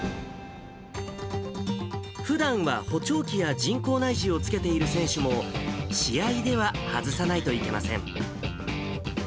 ふだんは補聴器や人工内耳をつけている選手も、試合では外さないといけません。